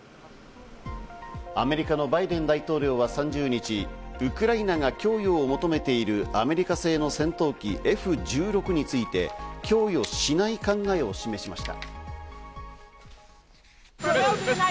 アメリカのバイデン大統領は３０日、ウクライナが供与を求めているアメリカ製の戦闘機・Ｆ１６について供与しない考えを示しました。